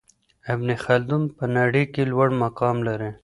ابن خلدون په نړۍ کي لوړ مقام لري.